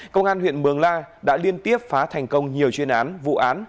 công an huyện mường la đã liên tiếp phá thành công nhiều chuyên án vụ án